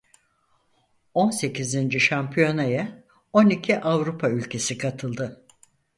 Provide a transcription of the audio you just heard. On sekizinci şampiyonaya on iki Avrupa ülkesi katıldı.